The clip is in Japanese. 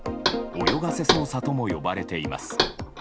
泳がせ捜査とも呼ばれています。